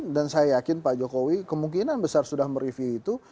dan saya yakin pak jokowi kemungkinan besar sudah mereview itu